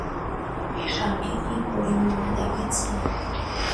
তাকে তো পরীর মতো দেখাচ্ছে।